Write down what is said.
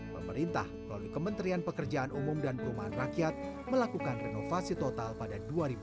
pemerintah melalui kementerian pekerjaan umum dan perumahan rakyat melakukan renovasi total pada dua ribu dua puluh